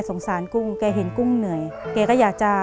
เปลี่ยนเพลงเพลงเก่งของคุณและข้ามผิดได้๑คำ